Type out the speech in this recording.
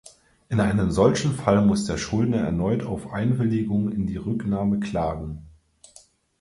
In einem solchen Fall muss der Schuldner erneut auf Einwilligung in die Rücknahme klagen.